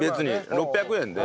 ６００円で。